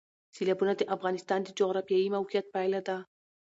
سیلابونه د افغانستان د جغرافیایي موقیعت پایله ده.